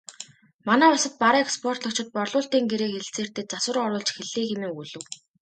Манай улсад бараа экспортлогчид борлуулалтын гэрээ хэлэлцээртээ засвар оруулж эхэллээ хэмээн өгүүлэв.